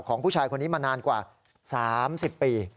ของผู้ชายคนนี้มานานกว่า๓๐ปี